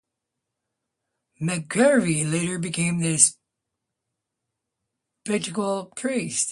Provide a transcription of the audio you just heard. McGreevey later became an Episcopal priest.